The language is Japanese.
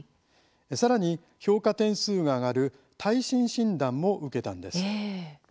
さらに、評価点数が上がる耐震診断も受けたんです。